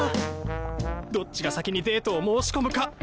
どっちが先にデートを申し込むか。